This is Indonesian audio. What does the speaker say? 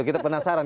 iya kita penasaran